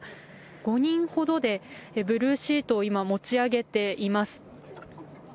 ５人ほどでブルーシートを今、持ち上げています。